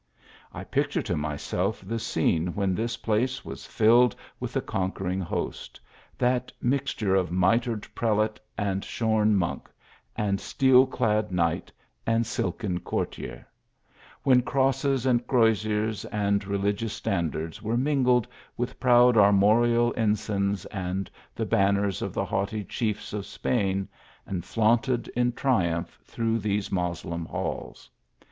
I picture *o myself the scene when this place wai filled with the conquering host, that mixtuie of mi tred prelate, and shorn monk, and steel clad knight, and silken courtier : when crosses and croziers and tdkjicus standards were mingled with proud armo 94 THE ALHAMBRA. rial ensigns and the banners of the haughty chiefs of Spain, and flaunted in triumph through these Mos lem halls.